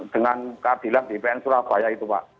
dengan kadilat dpn surabaya itu pak